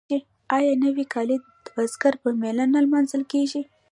آیا نوی کال د بزګر په میله نه لمانځل کیږي؟